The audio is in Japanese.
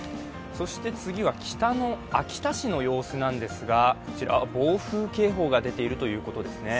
次は秋田市の様子なんですが、こちら暴風警報が出ているということですね。